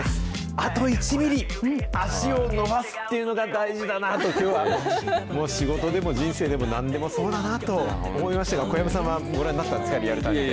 あと１ミリ、足を伸ばすっていうのが大事だなあと、きょうは、仕事でも人生でも、なんでもそうだなと思いましたが、小籔さんはご覧になったんですか、リアルタイムで。